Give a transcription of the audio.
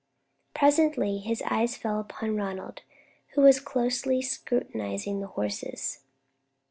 Presently his eyes fell upon Ronald, who was closely scrutinising the horses.